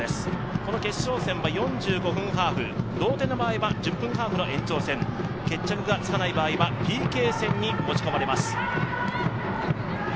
この決勝戦は４５分ハーフ同点の場合は１０分ハーフの延長戦、決着がつかない場合はＰＫ戦に持ち込まれます。